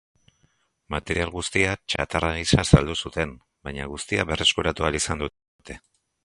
Material guztia txatarra gisa saldu zuten, baina guztia berreskuratu ahal izan dute.